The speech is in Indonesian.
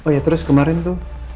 oh ya terus kemarin tuh